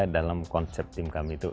dalam konsep tim kami itu